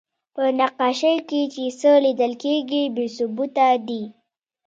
په نقاشۍ کې چې څه لیدل کېږي، بې ثبوته دي.